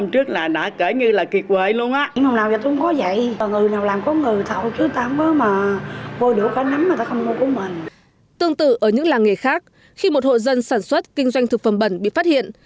tương tự ở những làng nghề khác khi một hộ dân sản xuất kinh doanh thực phẩm bẩn bị phát hiện